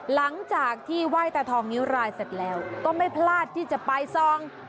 หลังจากที่ไหว้ตาทองนิ้วรายเสร็จแล้วก็ไม่พลาดที่จะไปซอง